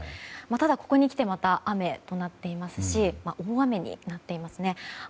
ただ、ここにきてまた雨となっていますし大雨になっていますね。